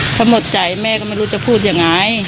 เขาหมดใจแม่ก็ไม่รู้จะพูดยังไง